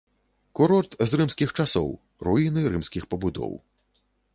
Курорт з рымскіх часоў, руіны рымскіх пабудоў.